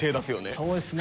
そうですね